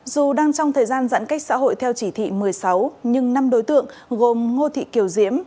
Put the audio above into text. dù đang trong thời gian giãn cách xã hội theo chỉ thị một mươi sáu nhưng năm đối tượng gồm ngô thị kiều diễm